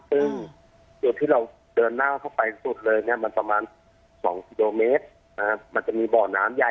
คือที่เราเดินหน้าเข้าไปทั้งสุดเลยสำหรับมา